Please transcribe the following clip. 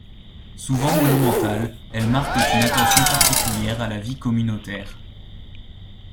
Souvent monumentales, elles marquent une attention particulière à la vie communautaire.